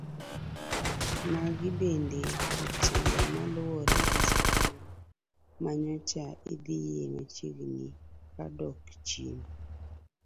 Magi bende ochan kaluwore gi skul ma nyocha idhiye machiegni kadok chien.